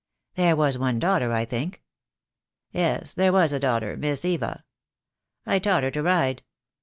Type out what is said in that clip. "There was one daughter, I think?" "Yes, there was a daughter, Miss Eva. I taught her to ride.